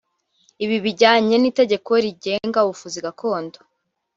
Ibi bijyanye n’itegeko rigenga ubuvuzi gakondo